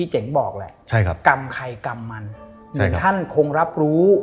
เหมือนท่านคงรับรู้